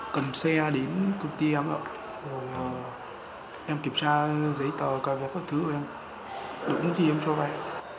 cầm xe đến công ty em ạ rồi em kiểm tra giấy tờ cài vẹt các thứ của em đủ thì em cho vay